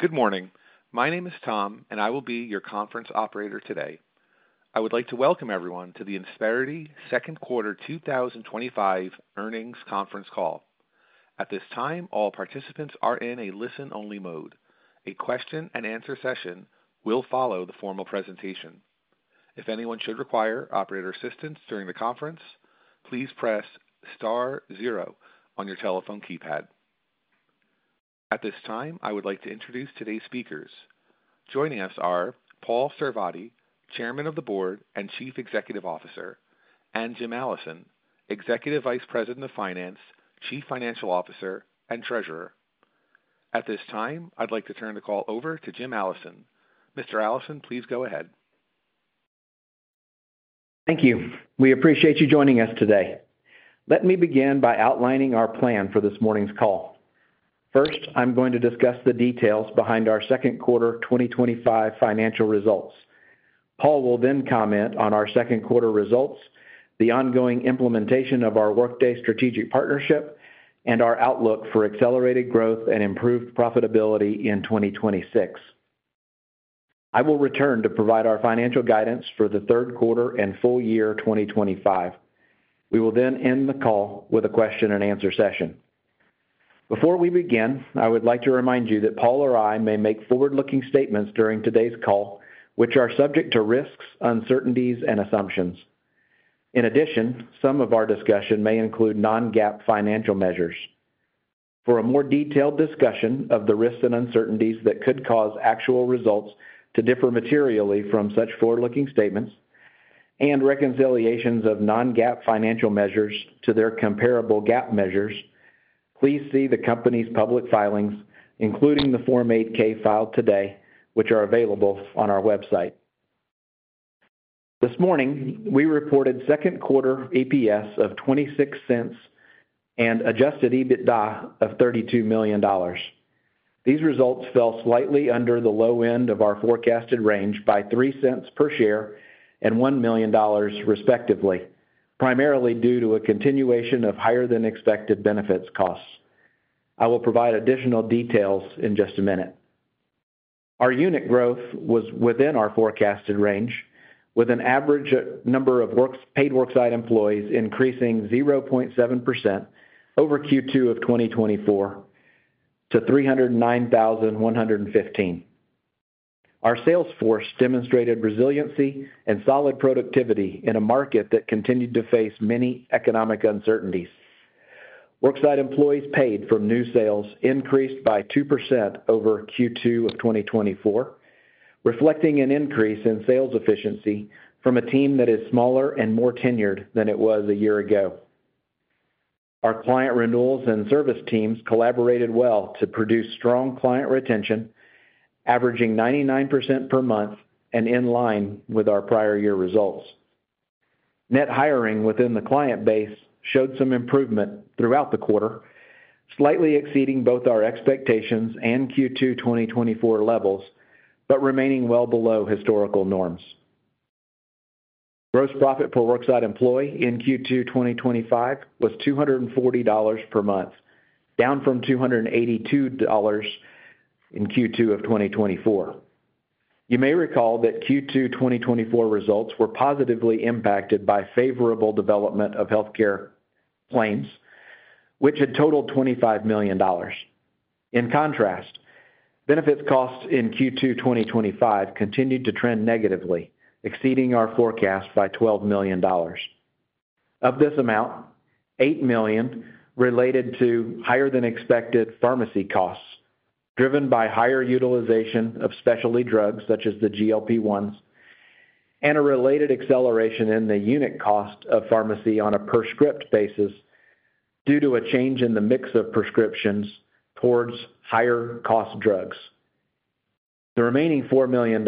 Good morning, my name is Tom and I will be your conference operator today. I would like to welcome everyone to the Insperity second quarter 2025 earnings conference call. At this time, all participants are in a listen-only mode. A question-and-answer session will follow the formal presentation. If anyone should require operator assistance during the conference, please press star zero on your telephone keypad. At this time I would like to introduce today's speakers. Joining us are Paul Sarvadi, Chairman of the Board and Chief Executive Officer, and Jim Allison, Executive Vice President of Finance, Chief Financial Officer and Treasurer. At this time I'd like to turn the call over to Jim Allison. Mr. Allison, please go ahead. Thank you. We appreciate you joining us today. Let me begin by outlining our plan for this morning's call. First, I'm going to discuss the details behind our second quarter 2025 financial results. Paul will then comment on our second quarter results, the ongoing implementation of our Workday strategic partnership, and our outlook for accelerated growth and improved profitability in 2026. I will return to provide our financial guidance for the third quarter and full year 2025. We will then end the call with a question-and-answer session. Before we begin, I would like to remind you that Paul or I may make forward-looking statements during today's call which are subject to risks, uncertainties, and assumptions. In addition, some of our discussion may include non-GAAP financial measures. For a more detailed discussion of the risks and uncertainties that could cause actual results to differ materially from such forward-looking statements and reconciliations of non-GAAP financial measures to their comparable GAAP measures, please see the company's public filings, including the Form 8-K filed today, which are available on our website. This morning we reported second quarter EPS of $0.26 and adjusted EBITDA of $32 million. These results fell slightly under the low end of our forecasted range by $0.03 per share and $1 million respectively, primarily due to a continuation of higher than expected benefits costs. I will provide additional details in just a minute. Our unit growth was within our forecasted range with an average number of paid worksite employees increasing 0.7% over Q2 of 2024 to 309,115. Our sales force demonstrated resiliency and solid productivity in a market that continued to face many economic uncertainties. Worksite employees paid from new sales increased by 2% over Q2 of 2024, reflecting an increase in sales efficiency from a team that is smaller and more tenured than it was a year ago. Our client renewals and service teams collaborated well to produce strong client retention averaging 99% per month and in line with our prior year results. Net hiring within the client base showed some improvement throughout the quarter, slightly exceeding both our expectations and Q2 2024 levels but remaining well below historical norms. Gross profit per worksite employee in Q2 2025 was $240 per month, down from $282 in Q2 of 2024. You may recall that Q2 2024 results were positively impacted by favorable development of healthcare plans which had totaled $25 million. In contrast, benefits costs in Q2 2025 continued to trend negatively, exceeding our forecast by $12 million. Of this amount, $8 million related to higher than expected pharmacy costs driven by higher utilization of specialty drugs such as the GLP-1s and a related acceleration in the unit cost of pharmacy on a per script basis due to a change in the mix of prescriptions towards higher cost drugs. The remaining $4 million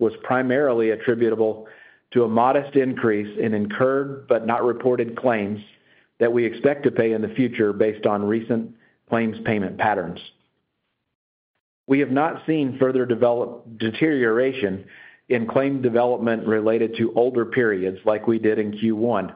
was primarily attributable to a modest increase in incurred but not reported claims that we expect to pay in the future. Based on recent claims payment patterns, we have not seen further deterioration in claim development related to older periods like we did in Q1,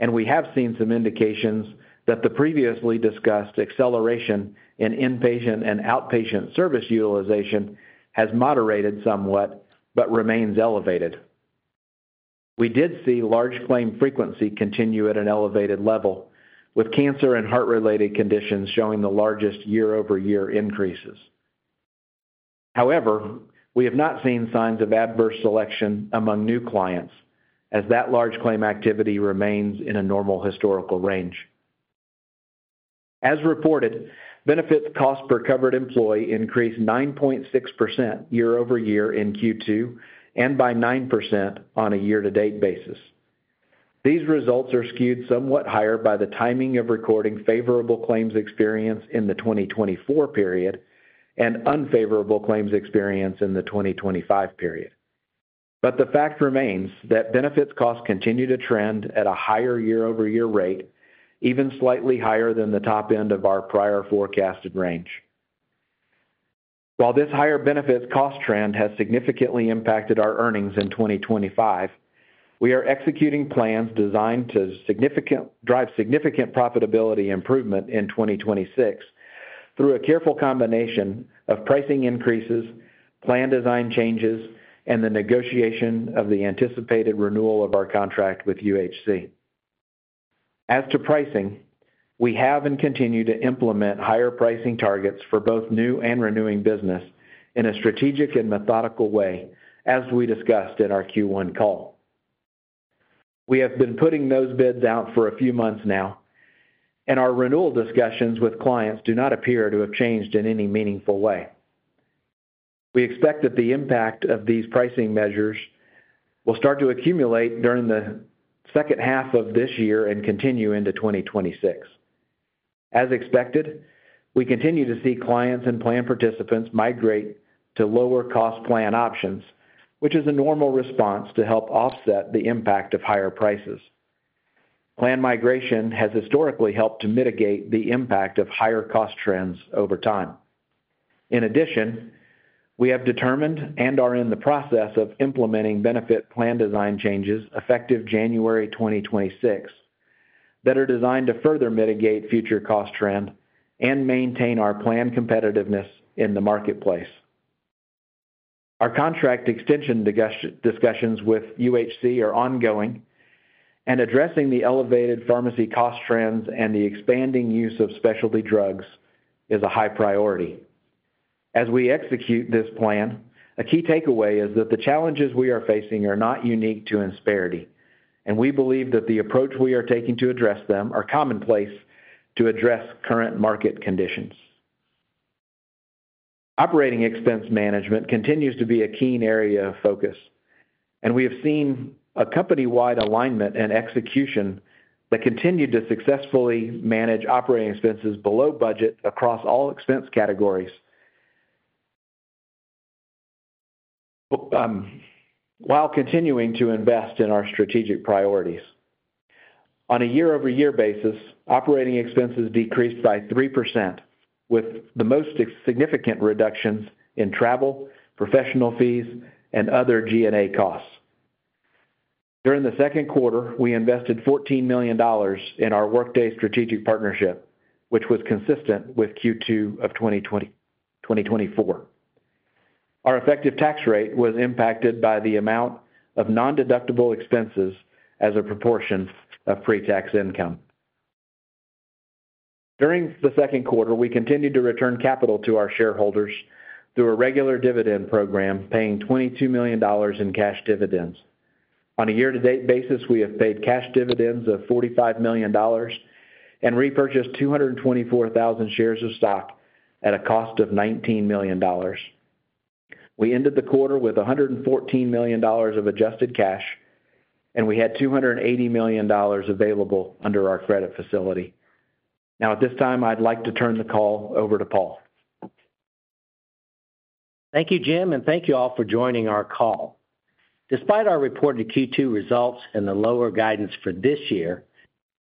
and we have seen some indications that the previously discussed acceleration in inpatient and outpatient service utilization has moderated somewhat but remains elevated. We did see large claim frequency continue at an elevated level, with cancer and heart related conditions showing the largest year-over-year increases. However, we have not seen signs of adverse selection among new clients, as that large claim activity remains in a normal historical range. As reported, benefits cost per covered employee increased 9.6% year-over-year in Q2 and by 9% on a year-to-date basis. These results are skewed somewhat higher by the timing of recording favorable claims experience in the 2024 period and unfavorable claims experience in the 2025 period, but the fact remains that benefits costs continue to trend at a higher year-over-year rate, even slightly higher than the top end of our prior forecasted range. While this higher benefits cost trend has significantly impacted our earnings in 2025, we are executing plans designed to drive significant profitability improvement in 2026 through a careful combination of pricing increases, plan design changes, and the negotiation of the anticipated renewal of our contract with UHC. As to pricing, we have and continue to implement higher pricing targets for both new and renewing business in a strategic and methodical way. As we discussed in our Q1 call, we have been putting those bids out for a few months now, and our renewal discussions with clients do not appear to have changed in any meaningful way. We expect that the impact of these pricing measures will start to accumulate during the second half of this year and continue into 2026 as expected. We continue to see clients and plan participants migrate to lower cost plan options, which is a normal response to help offset the impact of higher prices. Plan migration has historically helped to mitigate the impact of higher cost trends over time. In addition, we have determined and are in the process of implementing benefit plan design changes effective January 2026 that are designed to further mitigate future cost trend and maintain our planned competitiveness in the marketplace. Our contract extension discussions with UHC are ongoing, and addressing the elevated pharmacy cost trends and the expanding use of specialty drugs is a high priority as we execute this plan. A key takeaway is that the challenges we are facing are not unique to Insperity, and we believe that the approach we are taking to address them is commonplace. To address current market conditions, operating expense management continues to be a keen area of focus, and we have seen a company-wide alignment and execution that continued to successfully manage operating expenses below budget across all expense categories while continuing to invest in our strategic priorities. On a year-over-year basis, operating expenses decreased by 3% with the most significant reductions in travel, professional fees, and other G&A costs. During the second quarter, we invested $14 million in our Workday strategic partnership, which was consistent with Q2 of 2024. Our effective tax rate was impacted by the amount of non-deductible expenses as a proportion of pre-tax income. During the second quarter, we continued to return capital to our shareholders through a regular dividend program, paying $22 million in cash dividends. On a year-to-date basis, we have paid cash dividends of $45 million and repurchased 224,000 shares of stock at a cost of $19 million. We ended the quarter with $114 million of adjusted cash, and we had $280 million available under our credit facility. Now at this time, I'd like to turn the call over to Paul. Thank you, Jim, and thank you all for joining our call. Despite our reported Q2 results and the lower guidance for this year,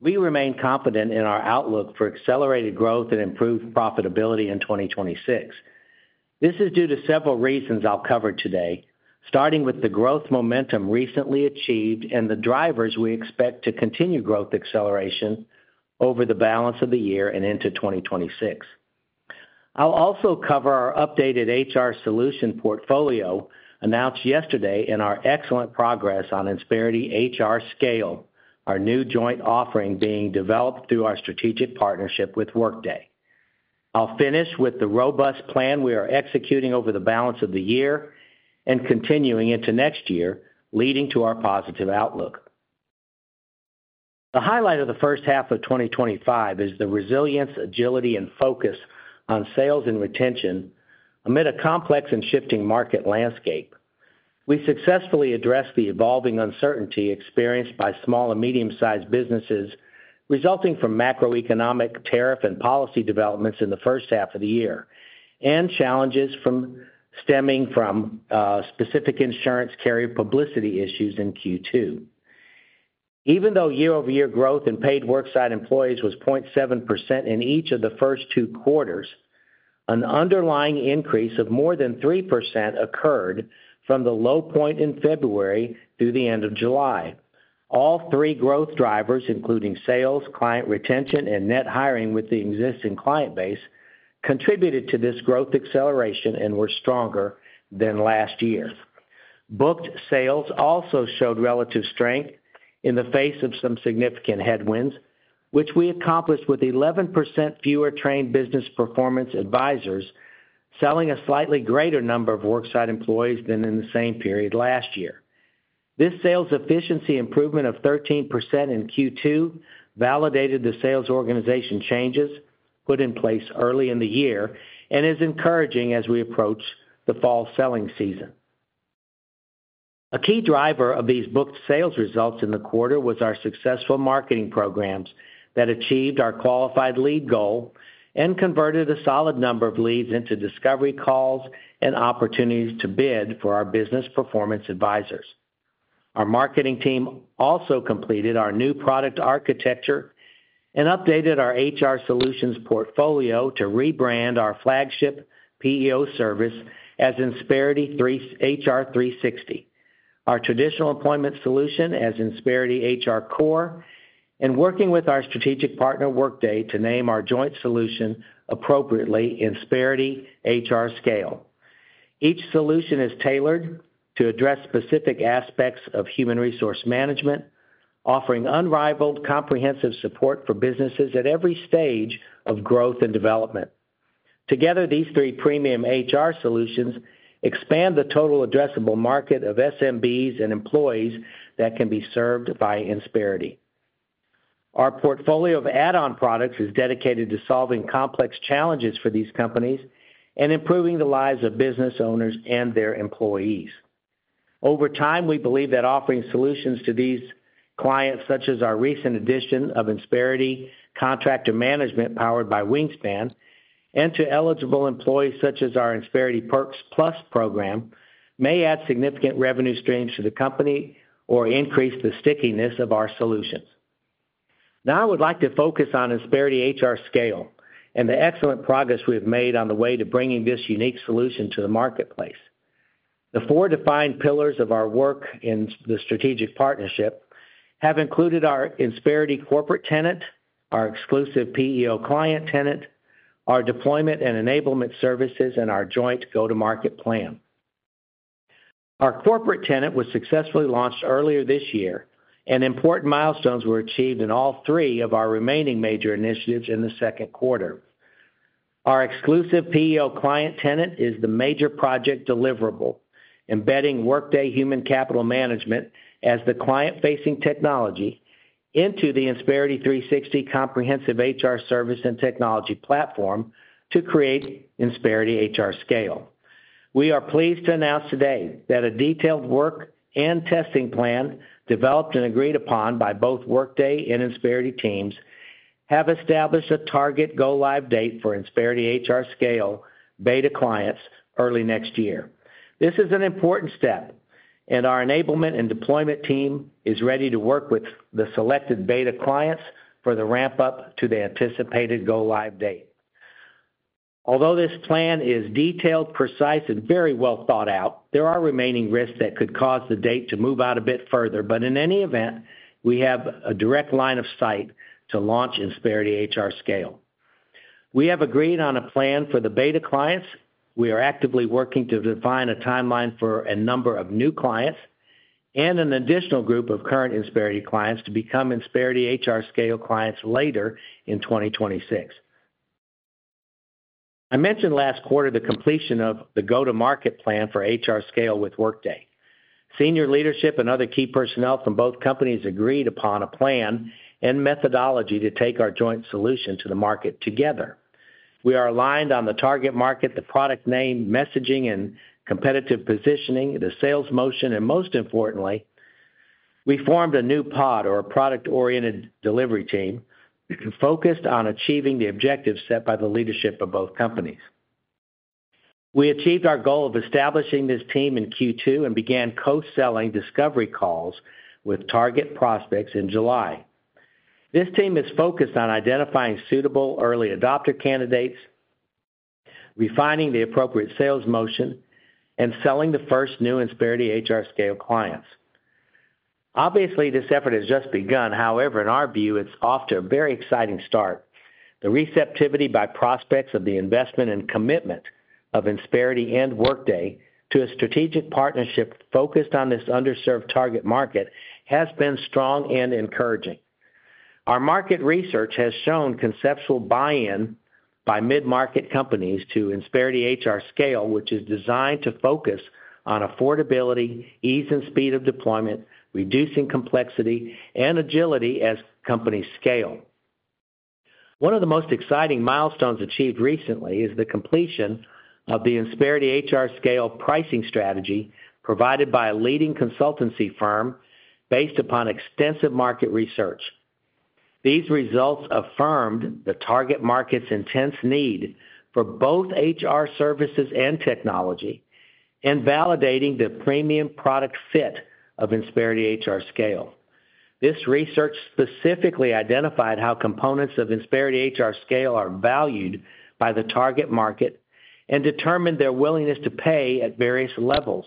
we remain confident in our outlook for accelerated growth and improved profitability in 2026. This is due to several reasons I'll cover today, starting with the growth momentum recently achieved and the drivers we expect to continue growth acceleration over the balance of the year and into 2026. I'll also cover our updated HR solution portfolio announced yesterday and our excellent progress on Insperity HRScale, our new joint offering being developed through our strategic partnership with Workday. I'll finish with the robust plan we are executing over the balance of the year and continuing into next year, leading to our positive outlook. The highlight of the first half of 2025 is the resilience, agility, and focus on sales and retention amid a complex and shifting market landscape. We successfully addressed the evolving uncertainty experienced by small and medium-sized businesses resulting from macroeconomic, tariff, and policy developments in the first half of the year and challenges stemming from specific insurance carrier publicity issues in Q2. Even though year-over-year growth in paid worksite employees was 0.7% in each of the first two quarters, an underlying increase of more than 3% occurred from the low point in February through the end of July. All three growth drivers, including sales, client retention, and net hiring with the existing client base, contributed to this growth acceleration and were stronger than last year. Booked sales also showed relative strength in the face of some significant headwinds, which we accomplished with 11% fewer trained business performance advisors selling a slightly greater number of worksite employees than in the same period last year. This sales efficiency improvement of 13% in Q2 validated the sales organization changes put in place early in the year and is encouraging as we approach the fall selling season. A key driver of these booked sales results in the quarter was our successful marketing programs that achieved our qualified lead goal and converted a solid number of leads into discovery calls and opportunities to bid for our business performance advisors. Our marketing team also completed our new product architecture and updated our HR solutions portfolio to rebrand our flagship PEO service as Insperity HR360, our traditional employment solution as Insperity HRCore, and working with our strategic partner Workday to name our joint solution appropriately Insperity HRScale. Each solution is tailored to address specific aspects of human resource management, offering unrivaled, comprehensive support for businesses at every stage of growth and development. Together, these three premium HR solutions expand the total addressable market of SMBs and employees that can be served by Insperity. Our portfolio of add-on products is dedicated to solving complex challenges for these companies and improving the lives of business owners and their employees over time. We believe that offering solutions to these clients such as our recent addition of Insperity Contractor Management powered by Wingspan and to eligible employees such as our Insperity Perks+ program may add significant revenue streams to the company or increase the stickiness of our solutions. Now I would like to focus on Insperity HRScale and the excellent progress we have made on the way to bringing this unique solution to the marketplace. The four defined pillars of our work in the strategic partnership have included our Insperity Corporate Tenant, our Exclusive PEO Client Tenant, our Deployment and Enablement Services, and our Joint Go-to-Market Plan. Our Corporate Tenant was successfully launched earlier this year, and important milestones were achieved in all 3 of our remaining major initiatives in the second quarter. Our Exclusive PEO Client Tenant is the major project deliverable. Embedding Workday Human Capital Management as the client-facing technology into the Insperity HR360 comprehensive HR service and technology platform to create Insperity HRScale, we are pleased to announce today that a detailed work and testing plan developed and agreed upon by both Workday and Insperity teams have established a target go-live date for Insperity HRScale beta clients early next year. This is an important step, and our enablement and deployment team is ready to work with the selected beta clients for the ramp up to the anticipated go-ive date. Although this plan is detailed, precise, and very well thought out, there are remaining risks that could cause the date to move out a bit further. In any event, we have a direct line of sight to launch Insperity HRScale. We have agreed on a plan for the beta clients. We are actively working to define a timeline for a number of new clients and an additional group of current Insperity clients to become Insperity HRScale clients later in 2026. I mentioned last quarter the completion of the go-to-market plan for HRScale with Workday. Senior leadership and other key personnel from both companies agreed upon a plan and methodology to take our joint solution to the market. Together, we are aligned on the target market, the product name, messaging and competitive positioning, the sales motion, and most importantly, we formed a new POD, or Product Oriented Delivery team, focused on achieving the objectives set by the leadership of both companies. We achieved our goal of establishing this team in Q2 and began co-selling discovery calls with target prospects in July. This team is focused on identifying suitable early adopter candidates, refining the appropriate sales motion, and selling the first new Insperity HRScale clients. Obviously, this effort has just begun. However, in our view, it's off to a very exciting start. The receptivity by prospects of the investment and commitment of Insperity and Workday to a strategic partnership focused on this underserved target market has been strong and encouraging. Our market research has shown conceptual buy-in by mid-market companies to Insperity HRScale, which is designed to focus on affordability, ease and speed of deployment, reducing complexity, and agility as companies scale. One of the most exciting milestones achieved recently is the completion of the Insperity HRScale pricing strategy provided by a leading consultancy firm. Based upon extensive market research, these results affirmed the target market's intense need for both HR services and technology and validated the premium product fit of Insperity HRScale. This research specifically identified how components of Insperity HRScale are valued by the target market and determined their willingness to pay at various levels.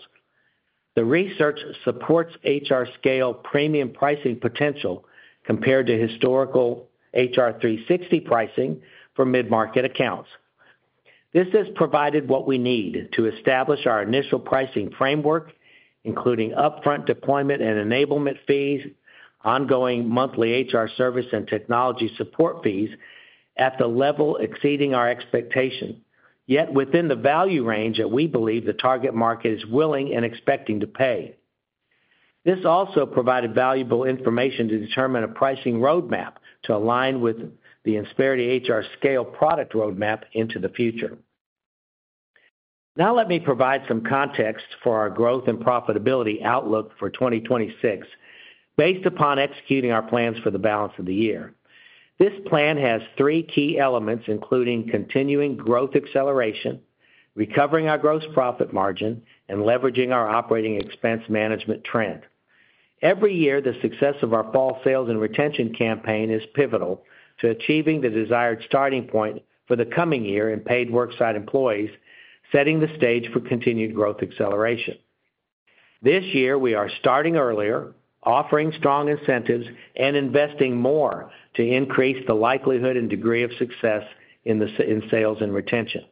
The research supports HRScale premium pricing potential compared to historical HR360 pricing for mid-market accounts. This has provided what we need to establish our initial pricing framework, including upfront deployment and enablement fees, ongoing monthly HR service and technology support fees at the level exceeding our expectation yet within the value range that we believe the target market is willing and expecting to pay. This also provided valuable information to determine a pricing roadmap to align with the Insperity HRScale product roadmap into the future. Now let me provide some context for our growth and profitability outlook for 2026 based upon executing our plans for the balance of the year. This plan has three key elements, including continuing growth acceleration, recovering our gross profit margin, and leveraging our operating expense management trend every year. The success of our fall sales and retention campaign is pivotal to achieving the desired starting point for the coming year in paid worksite employees, setting the stage for continued growth acceleration. This year we are starting earlier, offering strong incentives, and investing more to increase the likelihood and degree of success in sales and retention.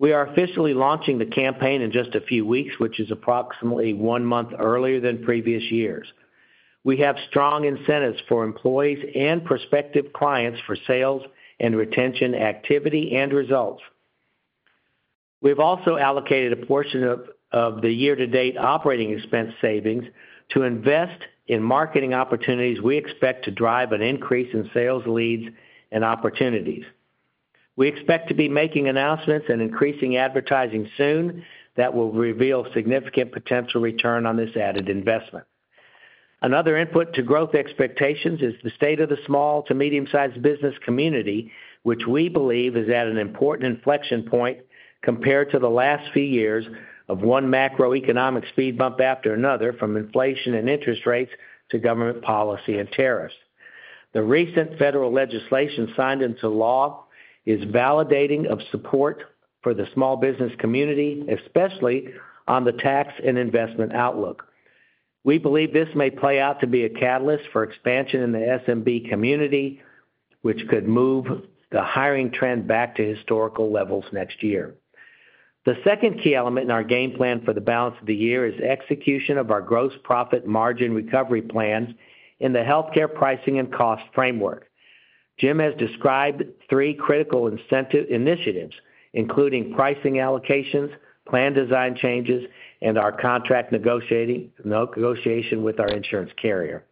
We are officially launching the campaign in just a few weeks, which is approximately one month earlier than previous years. We have strong incentives for employees and prospective clients for sales and retention activity and results. We've also allocated a portion of the year-to-date operating expense savings to invest in marketing opportunities. We expect to drive an increase in sales leads and opportunities. We expect to be making announcements and increasing advertising soon that will reveal significant potential return on this added investment. Another input to growth expectations is the state of the small to medium-sized business community, which we believe is at an important inflection point compared to the last few years of one macroeconomic speed bump after another from inflation and interest rates to government policy and tariffs. The recent federal legislation signed into law is validating of support for the small business community, especially on the tax and investment outlook. We believe this may play out to be a catalyst for expansion in the SMB community, which could move the hiring trend back to historical levels next year. The second key element in our game plan for the balance of the year is execution of our gross profit margin recovery plans and in the healthcare pricing and cost framework. Jim has described three critical incentive initiatives, including pricing allocations, plan design changes, and our contract negotiation with our insurance carrier.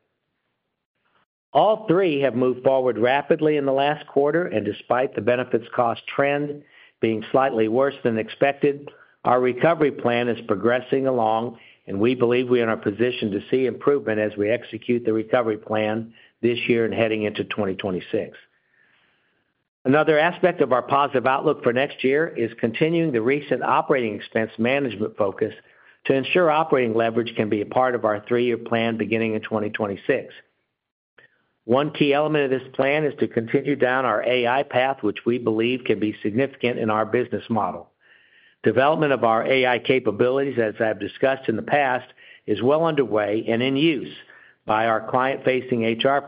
All three have moved forward rapidly in the last quarter, and despite the benefits cost trend being slightly worse than expected, our recovery plan is progressing along, and we believe we are in a position to see improvement as we execute the recovery plan this year and heading into 2026. Another aspect of our positive outlook for next year is continuing the recent operating expense management focus to ensure operating leverage can be a part of our three-year plan beginning in 2026. One key element of this plan is to continue down our AI path, which we believe can be significant in our business model. Development of our AI capabilities, as I've discussed in the past, is well underway and in use by our client-facing HR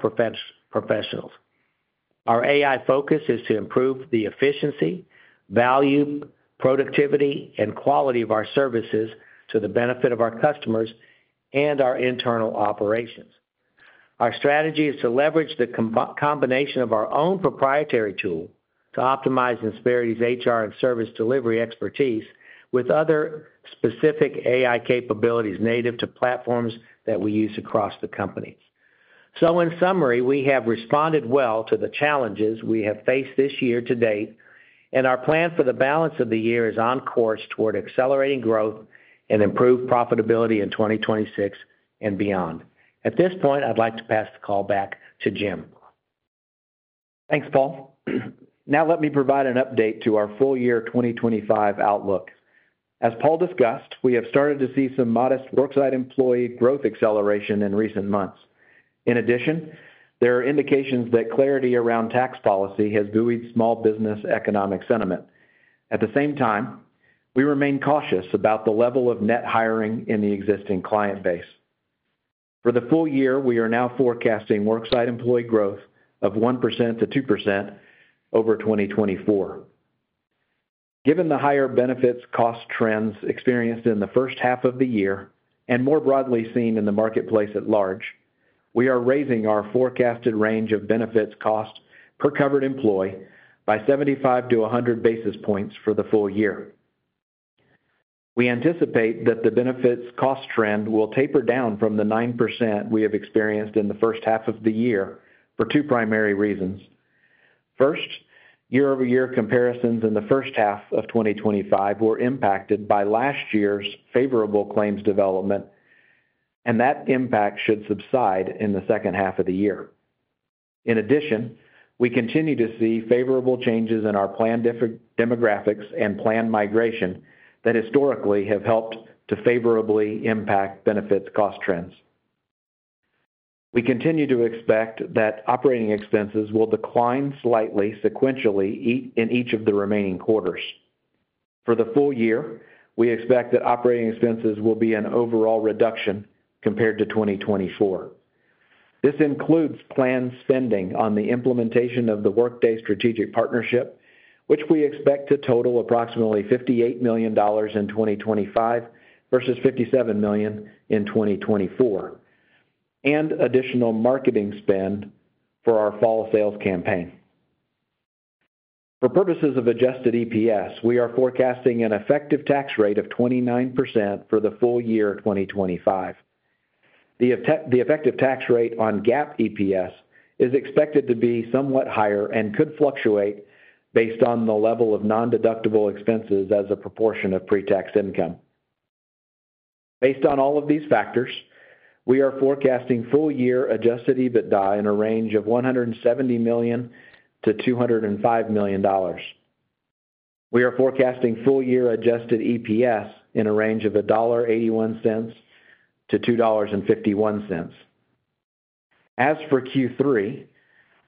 professionals. Our AI focus is to improve the efficiency, value, productivity, and quality of our services to the benefit of our customers and our internal operations. Our strategy is to leverage the combination of our own proprietary tool to optimize Insperity's HR and service delivery expertise with other specific AI capabilities native to platforms that we use across the company. In summary, we have responded well to the challenges we have faced this year-to-date, and our plan for the balance of the year is on course toward accelerating growth and improved profitability in 2026 and beyond. At this point, I'd like to pass the call back to Jim. Thanks, Paul. Now let me provide an update to our full year 2025 outlook. As Paul discussed, we have started to see some modest worksite employee growth acceleration in recent months. In addition, there are indications that clarity around tax policy has buoyed small business economic sentiment. At the same time, we remain cautious about the level of net hiring in the existing client base for the full year. We are now forecasting worksite employee growth of 1%-2% over 2024. Given the higher benefits cost trends experienced in the first half of the year and more broadly seen in the marketplace at large, we are raising our forecasted range of benefits cost per covered employee by 75 basis points-100 basis points for the full year. We anticipate that the benefits cost trend will taper down from the 9% we have experienced in the first half of the year for two primary reasons. First, year-over-year comparisons in the first half of 2025 were impacted by last year's favorable claims development and that impact should subside in the second half of the year. In addition, we continue to see favorable changes in our plan demographics and plan migration that historically have helped to favorably impact benefits cost trends. We continue to expect that operating expenses will decline slightly sequentially in each of the remaining quarters. For the full year, we expect that operating expenses will be an overall reduction compared to 2024. This includes planned spending on the implementation of the Workday strategic partnership solution, which we expect to total approximately $58 million in 2025 versus $57 million in 2024, and additional marketing spend for our fall sales campaign. For purposes of adjusted EPS, we are forecasting an effective tax rate of 29% for the full year 2025. The effective tax rate on GAAP EPS is expected to be somewhat higher and could fluctuate based on the level of non-deductible expenses as a proportion of pre-tax income. Based on all of these factors, we are forecasting full year adjusted EBITDA in a range of $170 million-$205 million. We are forecasting full year adjusted EPS in a range of $1.81-$2.51. As for Q3,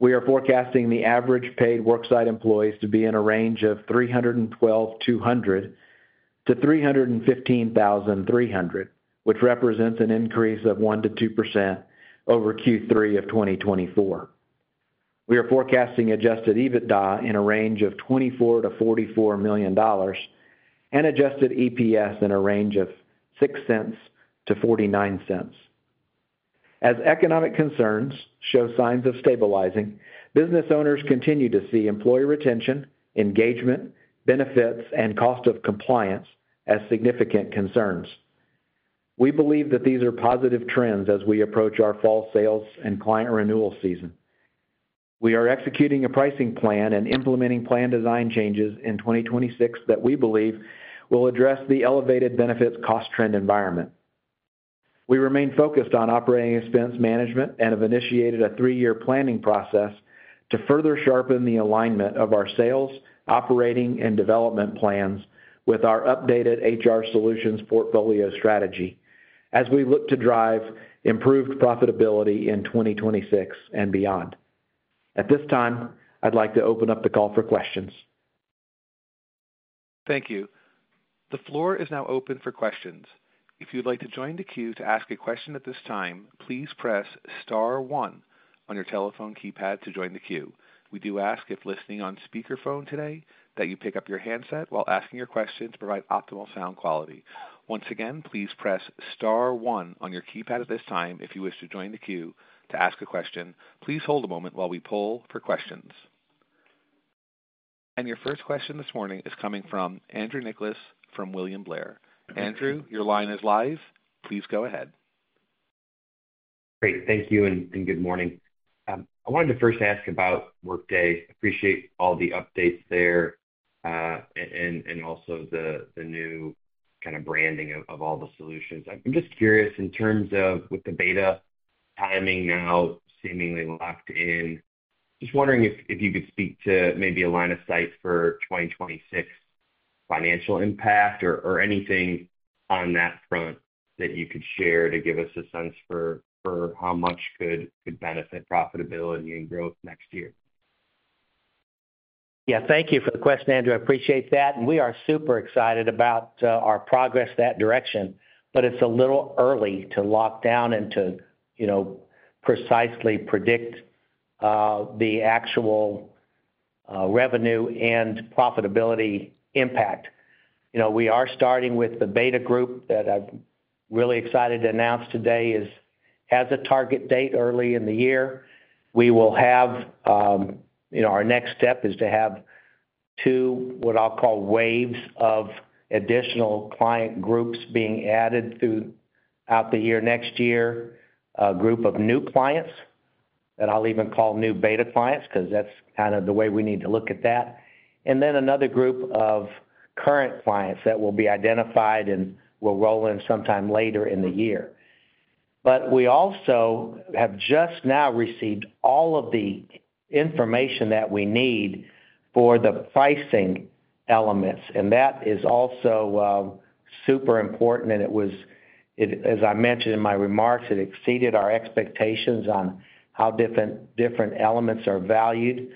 we are forecasting the average paid worksite employees to be in a range of 312,200-315,300, which represents an increase of 1%-2% over Q3 of 2024. We are forecasting adjusted EBITDA in a range of $24 million-$44 million and adjusted EPS in a range of $0.06-$0.49. As economic concerns show signs of stabilizing, business owners continue to see employee retention, engagement benefits, and cost of compliance as significant concerns. We believe that these are positive trends as we approach our fall sales and client renewal season. We are executing a pricing plan and implementing plan design changes in 2026 that we believe will address the elevated benefits cost trend environment. We remain focused on operating expense management and have initiated a three-year planning process to further sharpen the alignment of our sales, operations, operating, and development plans with our updated HR solutions portfolio strategy as we look to drive improved profitability in 2026 and beyond. At this time, I'd like to open up the call for questions. Thank you. The floor is now open for questions. If you'd like to join the queue to ask a question at this time, please press star one on your telephone keypad to join the queue. We do ask if listening on speakerphone today that you pick up your handset while asking your question to provide optimal sound quality. Once again, please press star one on your keypad at this time. If you wish to join the queue to ask a question, please hold a moment while we poll for questions. Your first question this morning is coming from Andrew Nicholas from William Blair. Andrew, your line is live. Please go ahead. Great, thank you and good morning. I wanted to first ask about Workday. Appreciate all the updates there and also the new kind of branding of all the solutions. I'm just curious in terms of with the beta timing now seemingly locked in, just wondering if you could speak to maybe a line of sight for 2026 financial impact or anything on that front that you could share to give us a sense for how much could benefit profitability and growth next year. Yeah, thank you for the question, Andrew. I appreciate that, and we are super excited about our progress in that direction. It's a little early to lock down and to precisely predict the actual revenue and profitability impact. We are starting with the beta group that I'm really excited to announce today has a target date early in the year. Our next step is to have two, what I'll call, waves of additional client groups being added throughout the year. Next year, a group of new clients that I'll even call new beta clients because that's kind of the way we need to look at that. Another group of current clients will be identified and will roll in sometime later in the year. We also have just now received all of the information that we need for the pricing elements, and that is also super important. As I mentioned in my remarks, it exceeded our expectations on how different elements are valued.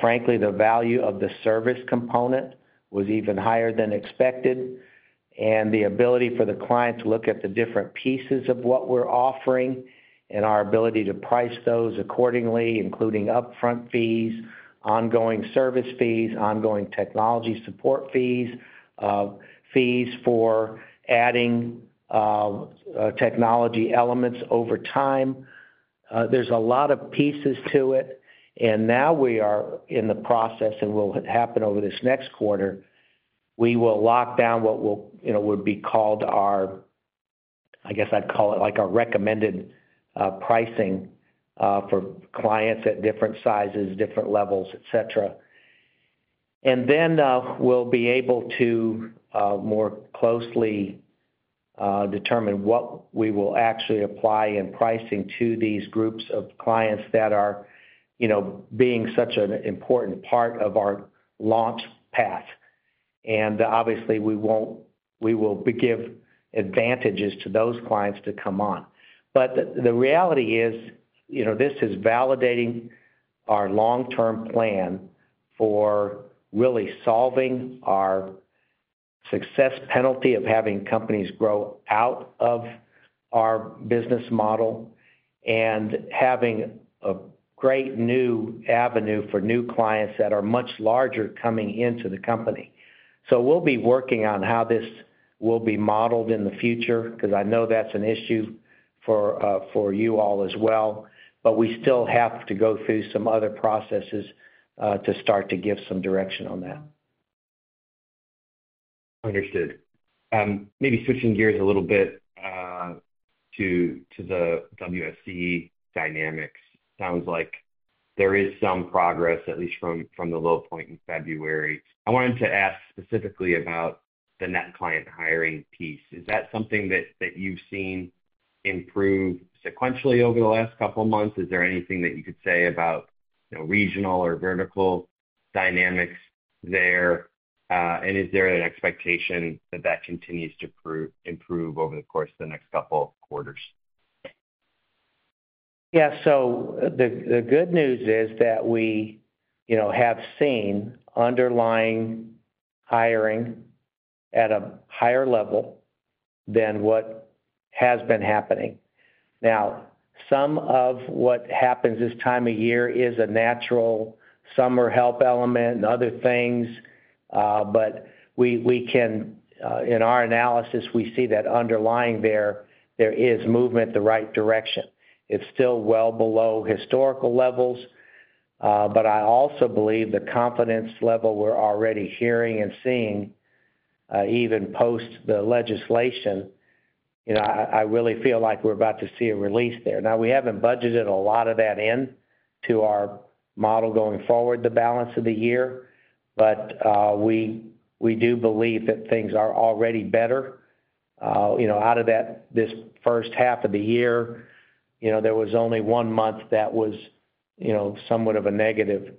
Frankly, the value of the service component was even higher than expected. The ability for the client to look at the different pieces of what we're offering and our ability to price those accordingly, including upfront fees, ongoing service fees, ongoing technology support fees, and fees for adding technology elements over time, is significant. There are a lot of pieces to it, and now we are in the process, and over this next quarter we will lock down what would be called our recommended pricing for clients at different sizes, different levels, et cetera. We will then be able to more closely determine what we will actually apply in pricing to these groups of clients that are such an important part of our launch path. We will give advantages to those clients to come on. The reality is this is validating our long-term plan for really solving our success penalty of having companies grow out of our business model and having a great new avenue for new clients that are much larger coming into the company. We will be working on how this will be modeled in the future because I know that's an issue for you all as well. We still have to go through some other processes to start to give some direction on that. Understood. Maybe switching gears a little bit to the WSEE dynamics. Sounds like there is some progress, at least from the low point in February. I wanted to ask specifically about the net client hiring piece. Is that something that you've seen improve sequentially over the last couple months? Is there anything that you could say about regional or vertical dynamics there, and is there an expectation that that continues to improve over the course of the next couple quarters? Yes. The good news is that we have seen underlying hiring at a higher level than what has been happening now. Some of what happens this time of year is a natural summer help element and other things. In our analysis, we see that underlying there, there is movement in the right direction. It's still well below historical levels. I also believe the confidence level we're already hearing and seeing, even post the legislation, I really feel like we're about to see a release there. We haven't budgeted a lot of that into our model going forward the balance of the year, but we do believe that things are already better. Out of this first half of the year, there was only one month that was somewhat of a negative.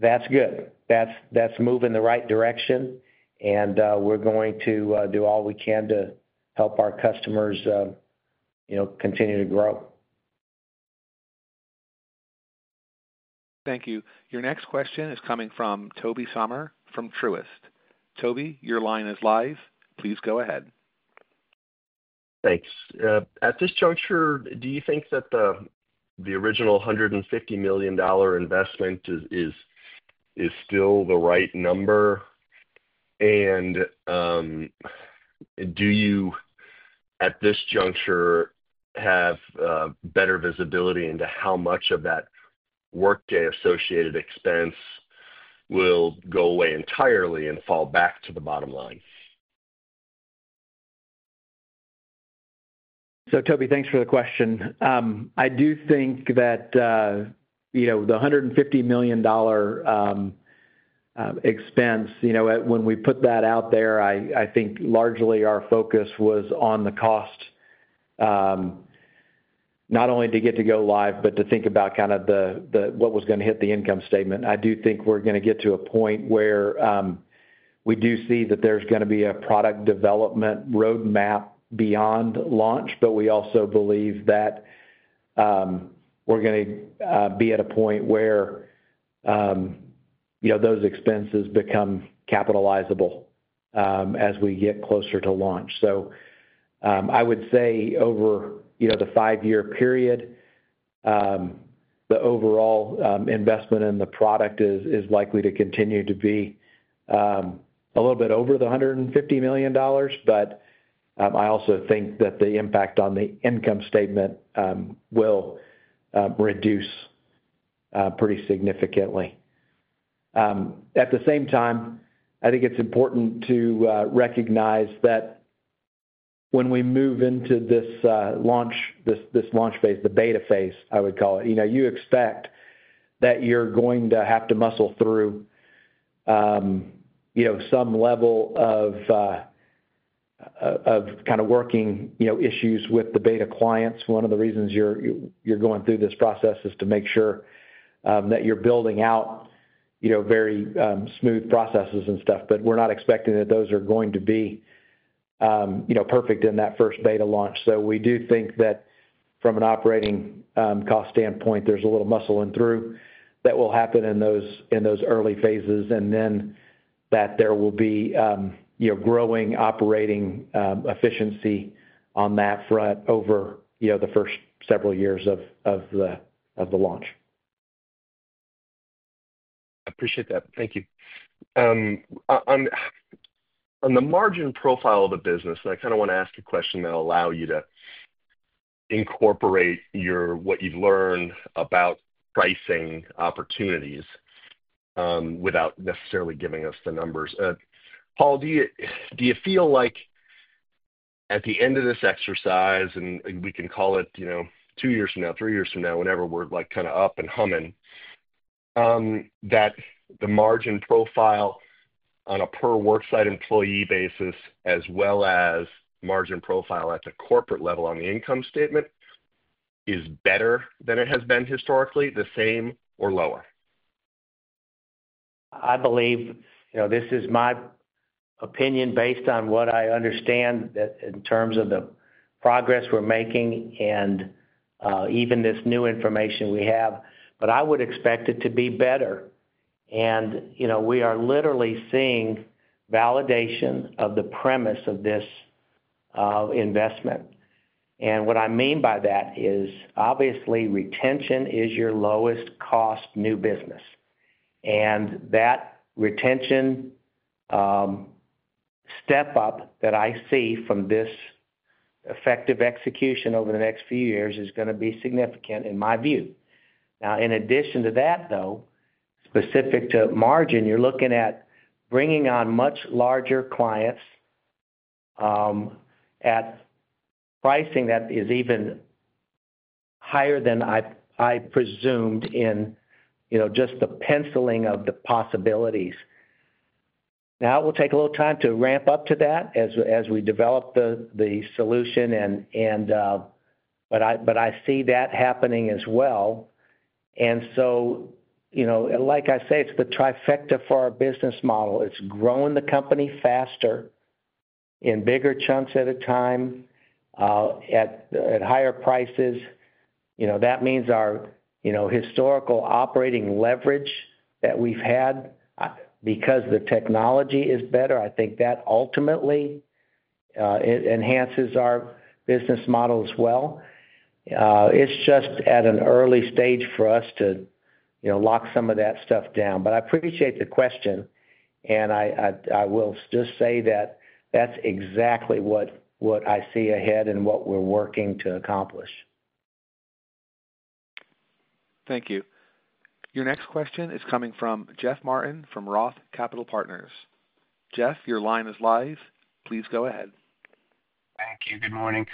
That's good, that's moving in the right direction and we're going to do all we can to help our customers continue to grow. Thank you. Your next question is coming from Tobey Sommer from Truist. Toby, your line is live. Please go ahead. Thanks. At this juncture, do you think that the original $150 million investment is still the right number? And. Do you at this juncture have better visibility into how much of that Workday associated expense will go away entirely and fall back to the bottom line? Thank you for the question, Toby. I do think that the $150 million expense, when we put that out there, I think largely our focus was on the cost. Not only to get to go-live, but to think about kind of what was going to hit the income statement. I do think we're going to get to a point where we do see that there's going to be a product development roadmap beyond launch. We also believe that we're going to be at a point where those expenses become capitalizable as we get closer to launch. I would say over the five-year period, the overall investment in the product is likely to continue to be a little bit over $150 million. I also think that the impact on the income statement will reduce pretty significantly. At the same time, I think it's important to recognize that when we move into this launch, this launch phase, the beta phase, I would call it. Expect that you're going to have to muscle through. You know, some level of kind of working, you know, issues with the beta clients. One of the reasons you're going through this process is to make sure that you're building out, you know, very smooth processes and stuff. We're not expecting that those are going to be, you know, perfect in that first beta launch. We do think that from an operating cost standpoint, there's a little muscle in through, but that will happen in those early phases and then that there will be growing operating efficiency on that front over the first several years of the launch. I appreciate that. Thank you. On the margin profile of the business, I kind of want to ask a question that will allow you to incorporate what you've learned about pricing opportunities without necessarily giving us the numbers. Paul, do you feel like at the end of this exercise, we can call it, you know, two years from now, three years from now, whenever we're kind of up and humming, that the margin profile on a per worksite employee basis as well as margin profile at the corporate level on the income statement is better than it has been historically, the same or lower? I believe this is my opinion based on what I understand in terms of the progress we're making and even this new information we have. I would expect it to be better. We are literally seeing validation of the premise of this investment. What I mean by that is, obviously retention is your lowest cost new business. That retention step up that I see from this effective execution over the next few years is going to be significant in my view. In addition to that, though specific to margin, you're looking at bringing on much larger clients at pricing that is even higher than I presumed in just the penciling of the possibilities. It will take a little time to ramp up to that as we develop the solution, but I see that happening as well. Like I say, it's the trifecta for our business model. It's growing the company faster in bigger chunks at a time at higher prices. That means our historical operating leverage that we've had because the technology is better. I think that ultimately enhances our business model as well. It's just at an early stage for us to lock some of that stuff down. I appreciate the question, and I will just say that that's exactly what I see ahead and what we're working to accomplish. Thank you. Your next question is coming from Jeff Martin from Roth Capital Partners. Jeff, your line is live. Please go ahead. Thank you. Good morning.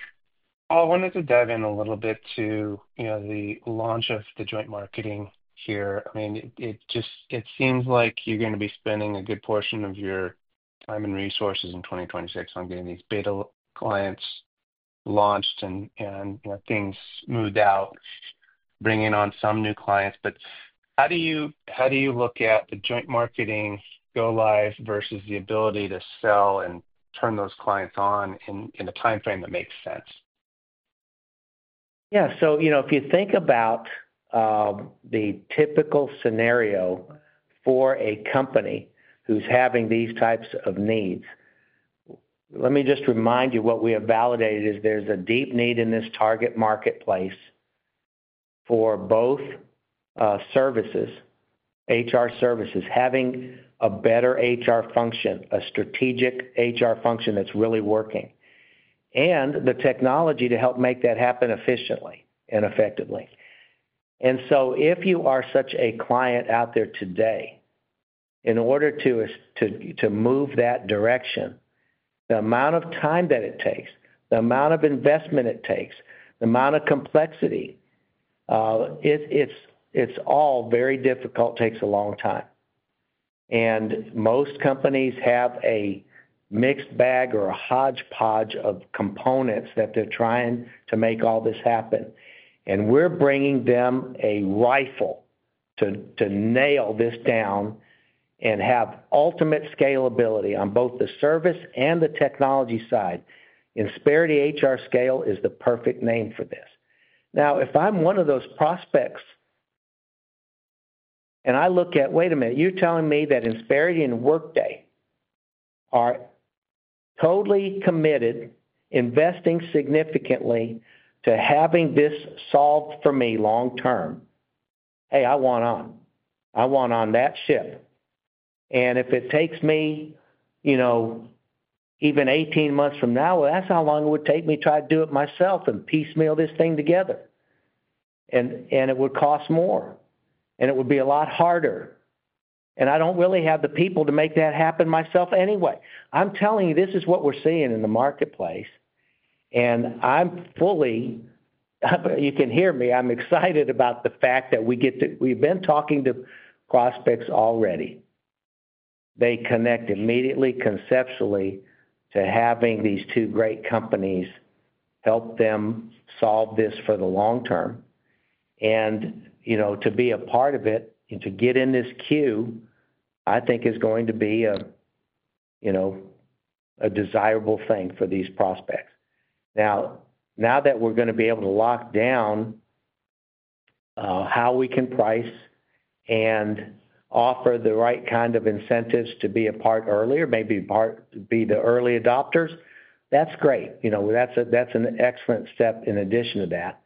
I wanted to dive in a little bit to the launch of the joint marketing here. It seems like you're going to be spending a good portion of your time and resources in 2026 on getting these beta clients launched and things smoothed out, bringing on some new clients. How do you look at the joint marketing go live versus the ability to sell and turn those clients on in a timeframe that makes sense? Yeah. If you think about the typical scenario for a company who's having these types of needs, let me just remind you what we have validated is there's a deep need in this target marketplace for both services, HR services, having a better HR function, a strategic HR function that's really working, and the technology to help make that happen efficiently and effectively. If you are such a client out there today, in order to move that direction, the amount of time that it takes, the amount of investment it takes, the amount of complexity, it's all very difficult, takes a long time. Most companies have a mixed bag or a hodgepodge of components that they're trying to make all this happen. We're bringing them a rifle to nail this down and have ultimate scalability on both the service and the technology side. Insperity HRScale is the perfect name for this. Now, if I'm one of those prospects and I look at, wait a minute, you're telling me that Insperity and Workday are totally committed, investing significantly to having this solved for me long term. Hey, I want on. I want on that ship. If it takes me, you know, even 18 months from now, that's how long it would take me. Try to do it myself and piecemeal this thing together. It would cost more and it would be a lot harder. I don't really have the people to make that happen myself. Anyway, I'm telling you, this is what we're seeing in the marketplace. You can hear me. I'm excited about the fact that we get to. We've been talking to prospects already. They connect immediately, conceptually to having these two great companies help them solve this for the long term and, you know, to be a part of it, to get in this queue, I think is going to be a, you know, a desirable thing for these prospects now, now that we're going to be able to lock down how we can price and offer the right kind of incentives to be a part earlier, maybe be the early adopters. That's great. That's an excellent step in addition to that.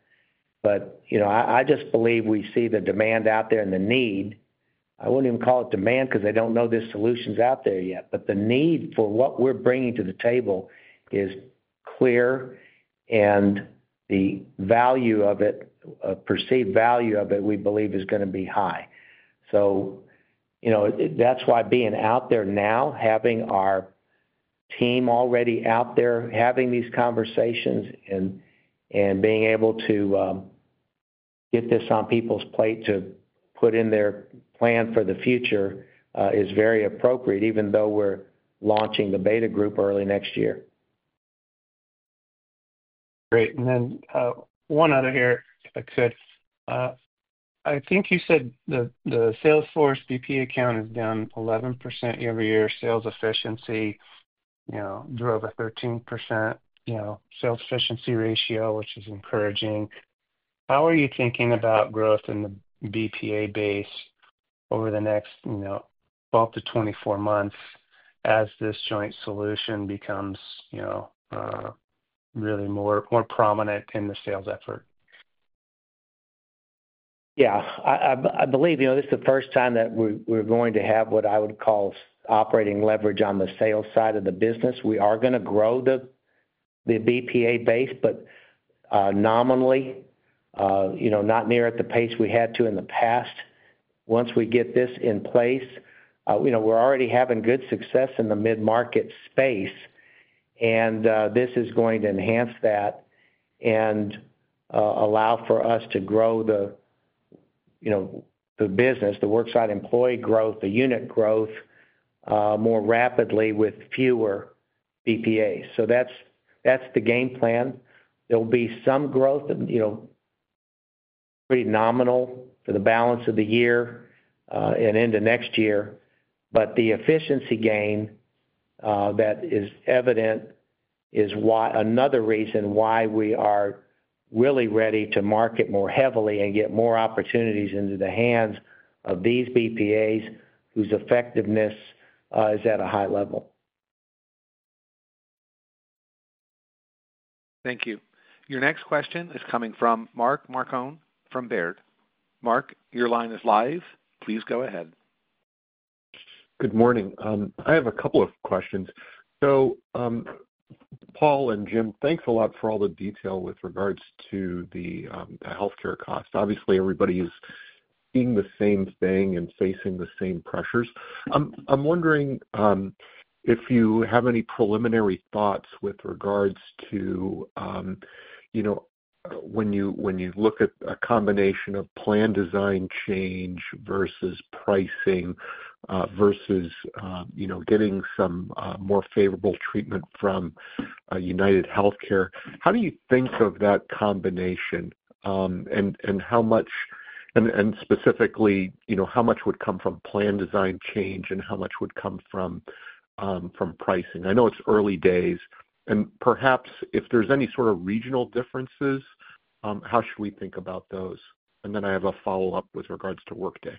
I just believe we see the demand out there and the need, I wouldn't even call it demand because they don't know the solution's out there yet. The need for what we're bringing to the table is clear and the value of it, perceived value of it, we believe is going to be high. That's why being out there now, having our team already out there having these conversations and being able to get this on people's plate to put in their plan for the future is very appropriate, even though we're launching the beta group early next year. Great. One other here, if I could. I think you said the salesforce BPA count is down 11% year-over-year. Sales efficiency drove a 13% sales efficiency ratio, which is encouraging. How are you thinking about growth in the BPA base over the next 12 to 24 months as this joint solution becomes really more prominent in the sales effort? Yeah, I believe this is the first time that we're going to have what I would call operating leverage on the sales side of the business. We are going to grow the BPA base but nominally, not near at the pace we had to in the past. Once we get this in place, we're already having good success in the mid-market space and this is going to enhance that and allow for us to grow the business, the worksite employee growth, the unit growth more rapidly with fewer BPAs. That's the game plan. There will be some growth, pretty nominal for the balance of the year and into next year. The efficiency gain that is evident is another reason why we are really ready to market more heavily and get more opportunities into the hands of these BPAs whose effectiveness is at a high level. Thank you. Your next question is coming from Mark Marcon from Baird. Mark, your line is live. Please go ahead. Good morning. I have a couple of questions. Paul and Jim, thanks a lot for all the detail. With regards to the healthcare cost, obviously everybody is seeing the same thing and facing the same pressures. I'm wondering if you have any preliminary thoughts with regards to when you look at a combination of plan design change versus pricing versus getting some more favorable treatment from UnitedHealthcare, how do you think of that combination and specifically how much would come from plan design change and how much would come from pricing? I know it's early days and perhaps if there's any sort of regional differences, how should we think about those? I have a follow up with regards to Workday.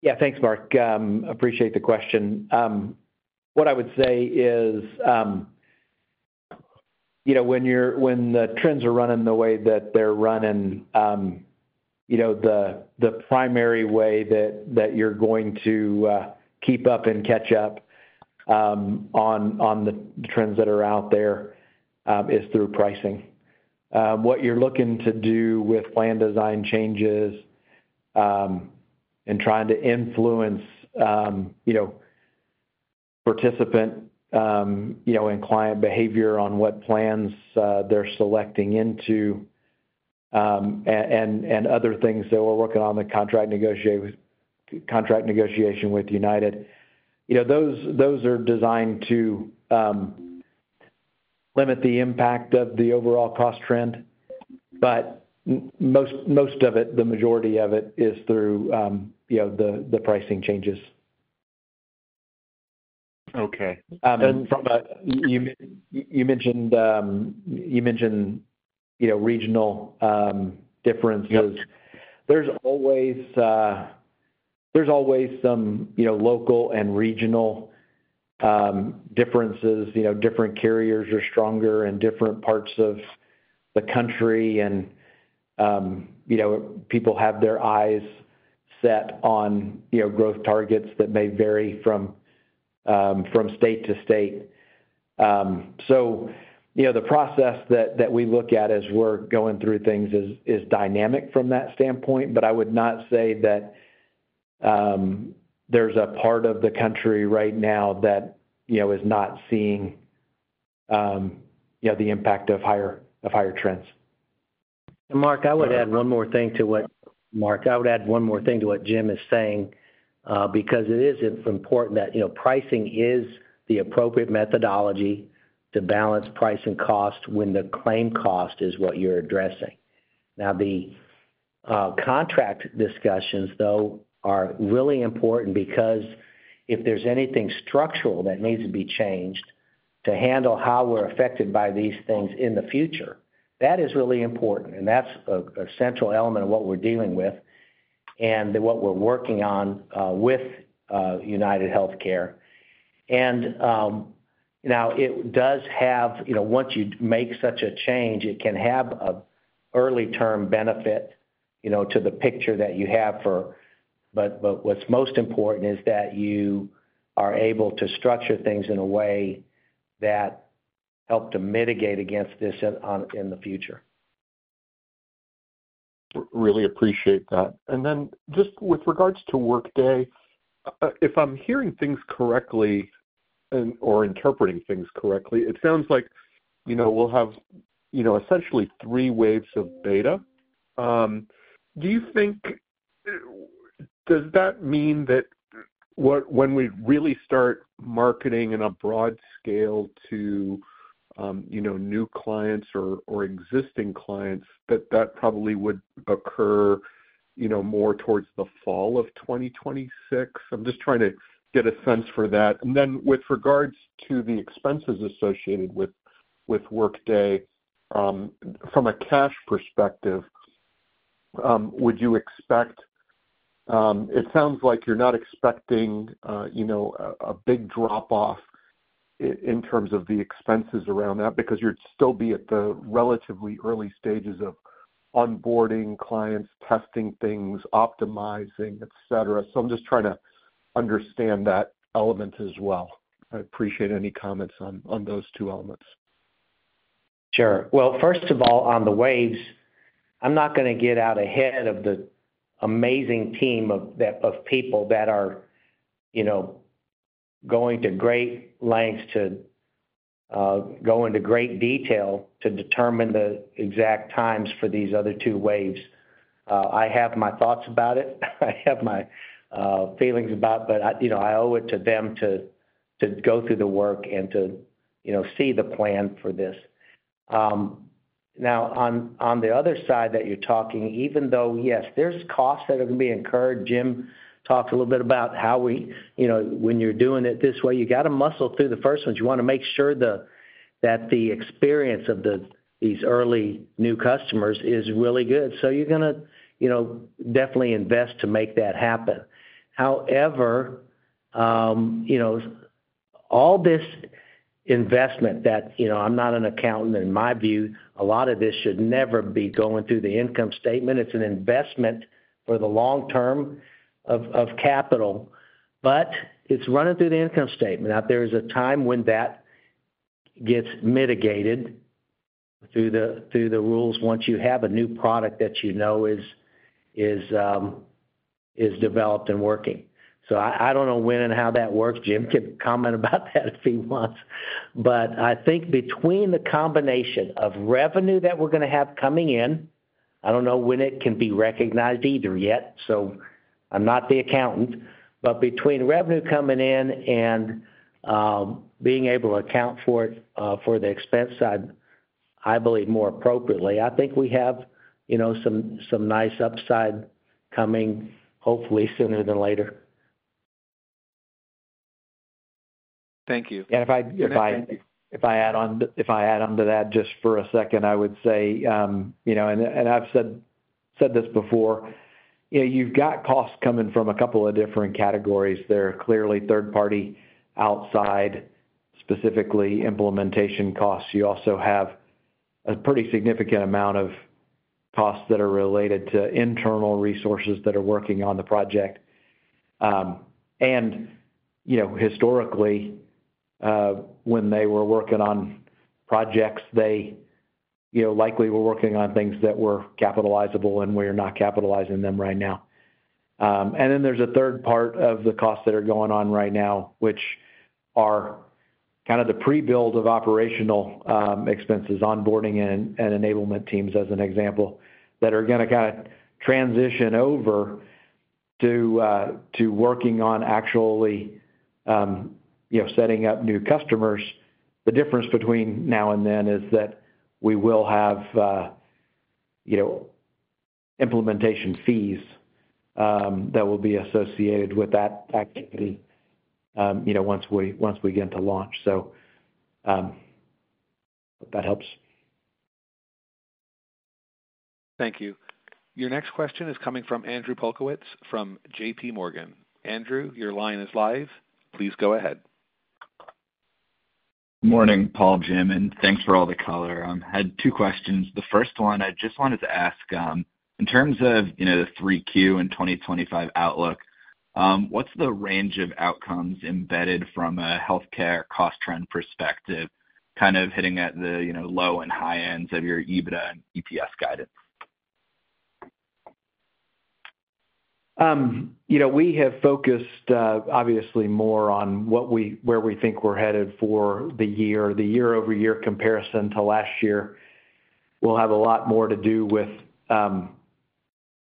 Yeah, thanks Mark. Appreciate the question. What I would say is, you know. When the trends are running the way that they're running, the primary way that you're going to keep up and catch up on the trends that are out there is through pricing, what you're looking to do with plan design changes and trying to influence participant, in client behavior on what plans they're selecting into and other things that we're working on. The contract negotiation with United, those are designed to limit the impact of the overall cost trend. Most of it, the majority of it, is through the pricing changes. Okay. You mentioned regional differences. There's always some local and regional differences. Different carriers are stronger in different parts of the country, and people have their eyes set on growth targets that may vary from state to state. The process that we look at as we're going through things is dynamic from that standpoint. I would not say that there's a part of the country right now that is not seeing the impact of higher trends. Mark, I would add one more thing to what Jim is saying, because it is important that pricing is the appropriate methodology to balance price and cost when the claim cost is what you're addressing. The contract discussions are really important because if there's anything structural that needs to be changed to handle how we're affected by these things in the future, that is really important. That's a central element of what we're dealing with and what we're working on with UnitedHealthcare. Once you make such a change, it can have an early term benefit to the picture that you have. What's most important is that you are able to structure things in a way that help to mitigate against this in the future. Really appreciate that. With regards to Workday. If I'm hearing things correctly or interpreting things correctly, it sounds like we'll have essentially three waves of beta. Do you think does that mean that when we really start marketing in a broad scale to new clients or existing clients, that that probably would occur more towards the fall of 2026? I'm just trying to get a sense for that. With regards to the expenses associated with Workday, from a cash perspective, would you expect it sounds like you're not expecting, you know, a big drop off in terms of the expenses around that because you'd still be at the relatively early stages of onboarding clients, testing things, optimizing, etc. I'm just trying to understand that element as well. I appreciate any comments on those two elements. Sure. First of all, on the waves, I'm not going to get out ahead of the amazing team of people that are going to great lengths to go into great detail to determine the exact times for these other two waves. I have my thoughts about it, I have my feelings about it, but I owe it to them to go through the work and to see the plan for this. Now, on the other side that you're talking, even though, yes, there's costs that are going to be incurred, Jim talked a little bit about how we, when you're doing it this way, you have to muscle through the first ones. You want to make sure that the experience of these early new customers is really good. You're going to definitely invest to make that happen. However, all this investment that, you know, I'm not an accountant, in my view, a lot of this should never be going through the income statement. It's an investment for the long term of capital, but it's running through the income statement. Now. There is a time when that gets mitigated through the rules. Once you have a new product that you know is developed and working, I don't know when and how that works. Jim can comment about that if he wants. I think between the combination of revenue that we're going to have coming in, I don't know when it can be recognized either yet. I'm not the accountant, but between revenue coming in and being able to account for it for the expense side, I believe more appropriately, I think we have some nice upside coming, hopefully sooner than later. Thank you. If I add on to that just for a second, I would say, you know, and I've said this before, you've got costs coming from a couple of different categories. They're clearly third party outside specifically implementation costs. You also have a pretty significant amount of costs that are related to internal resources that are working on the project. Historically, when they were working on projects, they likely were working on things that were capitalizable and we are not capitalizing them right now. There's a third part of the costs that are going on right now, which are kind of the pre-build of operating expenses, onboarding and enablement teams as an example, that are going to transition over to working on actually setting up new customers. The difference between now and then is that we will have implementation fees that will be associated with that activity once we get into launch. So. That helps. Thank you. Your next question is coming from Andrew Polkowitz from JPMorgan. Andrew, your line is live. Please go ahead. Morning Paul, Jim. Thanks for all the color. Had two questions. The first one I just wanted to ask, in terms of the 3Q and 2025 outlook, what's the range of outcomes embedded from a healthcare cost trend perspective? Kind of hitting at the low and high ends of your EBITDA and EPS guidance. We have focused obviously more on where we think we're headed for the year. The year-over-year comparison to last year will have a lot more to do with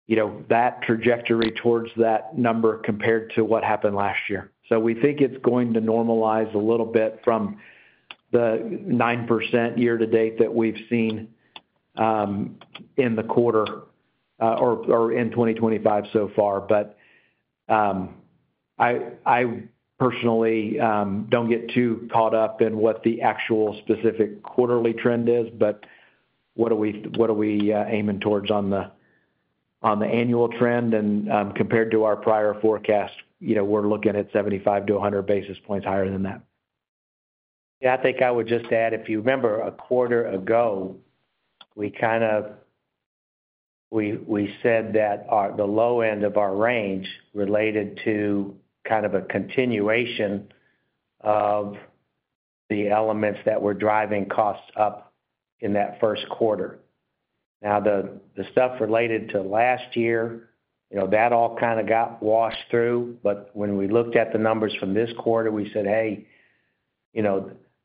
that trajectory towards that number compared to what happened last year. We think it's going to normalize a little bit from the 9% year-to-date that we've seen in the quarter or in 2025 so far. I personally don't get too caught up in what the actual specific quarterly trend is. What are we aiming towards on the annual trend? Compared to our prior forecast, we're looking at 75 bais points-100 basis points higher than that. Yeah, I think I would just add, if you remember a quarter ago we kind of said that the low end of our range related to kind of a continuation of the elements that were driving costs up in that first quarter. Now the stuff related to last year, that all kind of got washed through. When we looked at the numbers from this quarter, we said, hey,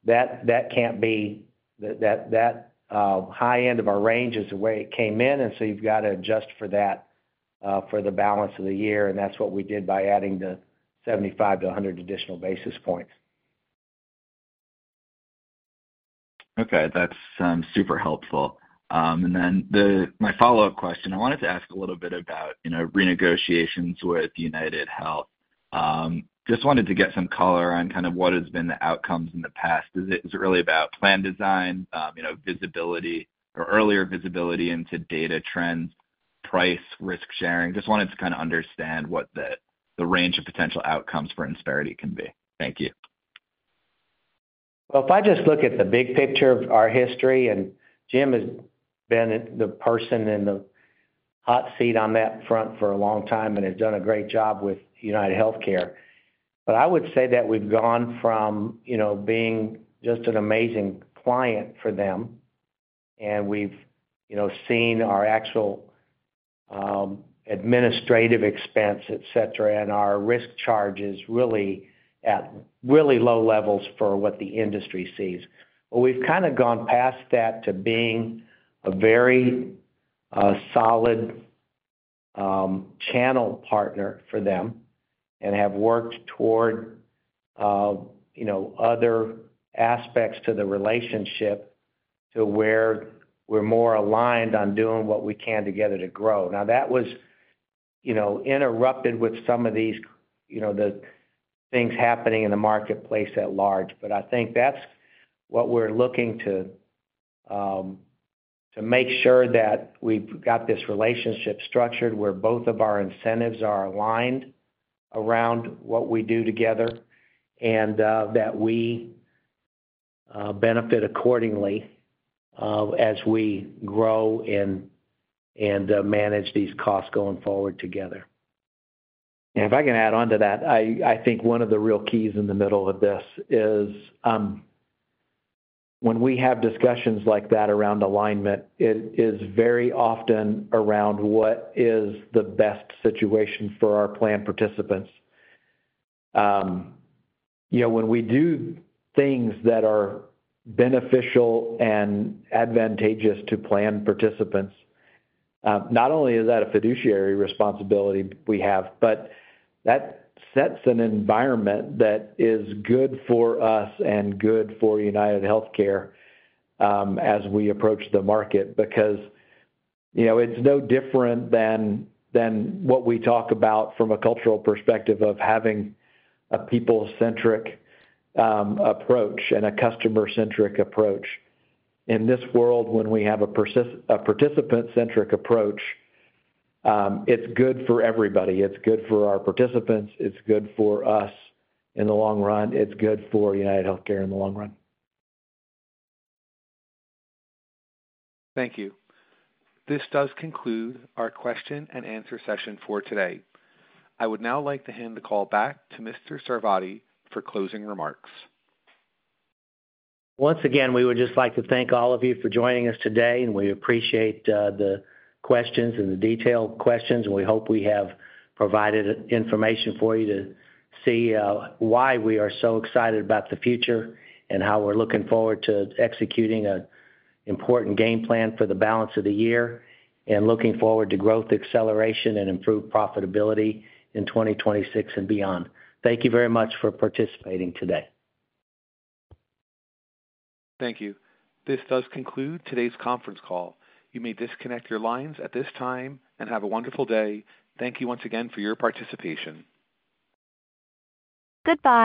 that can't be that. High end of our range is the way it came in. You have to adjust for that for the balance of the year. That's what we did by adding the 75-100 additional basis points. Okay, that's super helpful. My follow up question, I wanted to ask a little bit about renegotiations with UnitedHealthcare. Just wanted to get some color on kind of what has been the outcomes in the past. Is it really about plan design visibility or earlier visibility into data trends, price, risk sharing? Just wanted to kind of understand what the range of potential outcomes for Insperity can be. Thank you. If I just look at the big picture of our history, and Jim has been the person in the hot seat on that front for a long time and has done a great job with UnitedHealthcare. I would say that we've gone from, you know, being just an amazing client for them and we've seen our actual administrative expense, et cetera, and our risk charges really at really low levels for what the industry sees. We've kind of gone past that to being a very solid channel partner for them and have worked toward. You know other aspects to the relationship to where we're more aligned on doing what we can together to grow. That was interrupted with some of these things happening in the marketplace at large. I think that's what we're looking to make sure that we've got this relationship structured where both of our incentives are aligned around what we do together, and that we benefit accordingly as we grow and manage these costs going forward together. If I can add on to that. I think one of the real keys in the middle of this is when we have discussions like that around alignment, it is very often around what is the best situation for our plan participants. When we do things that are beneficial and advantageous to plan participants, not only is that a fiduciary responsibility we have, but that sets an environment that is good for us and good for UnitedHealthcare as we approach the market. It is no different than what we talk about from a cultural perspective of having a people centric approach and a customer-centric approach in this world. When we have a participant-centric approach, it's good for everybody, it's good for our participants, it's good for us in the long run. It's good for UnitedHealthcare in the long run. Thank you. This does conclude our question-and-answer session for today. I would now like to hand the call back to Mr. Sarvadi for closing remarks. Once again, we would just like to thank all of you for joining us today. We appreciate the questions and the detailed questions, and we hope we have provided information for you to see why we are so excited about the future and how we're looking forward to executing an important game plan for the balance of the year and looking forward to growth, acceleration, and improved profitability in 2026 and beyond. Thank you very much for participating today. Thank you. This does conclude today's conference call. You may disconnect your lines at this time and have a wonderful day. Thank you once again for your participation. Goodbye.